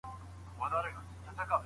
د اولادونو د پالني مصارف پر پلار دي.